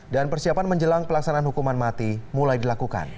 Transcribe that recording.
dan persiapan menjelang pelaksanaan hukuman mati mulai dilakukan